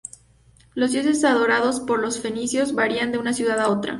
Los dioses adorados por los fenicios varían de una ciudad a otra.